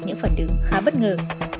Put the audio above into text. những phần đứng khá bất ngờ